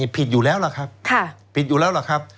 ผิดอยู่แล้วล่ะครับ